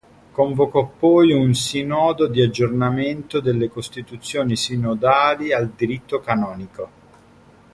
Convocò poi un Sinodo di aggiornamento delle costituzioni sinodali al diritto canonico.